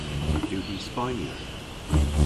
Yw hi Spaynyer?